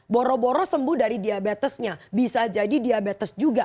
boro boro sembuh dari diabetesnya bisa jadi diabetes juga